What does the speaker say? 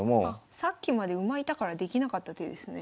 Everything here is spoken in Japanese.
さっきまで馬いたからできなかった手ですね。